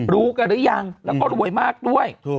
รู้กันหรือยังแล้วก็รวยมากด้วย